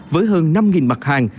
với hơn năm mặt hàng